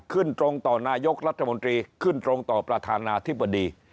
ขึ้นตรงต่อนายกรัฐมนตรีขึ้นตรงต่อประธานาธิบดี